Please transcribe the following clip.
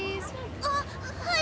あっはい！